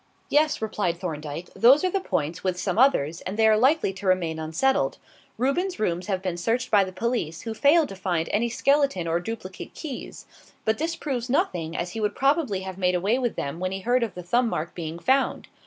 "Yes," replied Thorndyke. "Those are the points with some others and they are likely to remain unsettled. Reuben's rooms have been searched by the police, who failed to find any skeleton or duplicate keys; but this proves nothing, as he would probably have made away with them when he heard of the thumb mark being found.